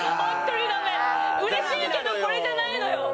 うれしいけどこれじゃないのよ。